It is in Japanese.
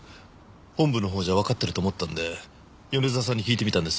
本部のほうじゃわかってると思ったんで米沢さんに聞いてみたんです。